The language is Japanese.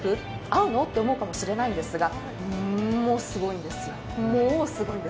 合うの？って思うかもしれないんですが、もうすごいんですよ。